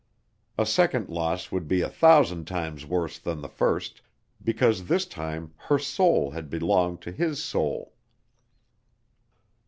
A second loss would be a thousand times worse than the first, because this time her soul had belonged to his soul.